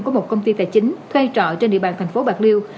của một công ty tài chính thuê trọ trên địa bàn thành phố bạc liêu